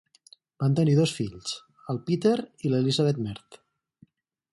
Van tenir dos fills, el Peter i l'Elizabeth Mertz.